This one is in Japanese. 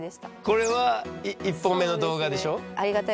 これは１本目の動画でしょ？